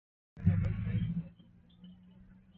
Dalili za ugonjwa wa figo za kondoo ni kukosa hamu ya kula